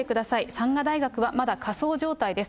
山河大学はまだ仮想状態です。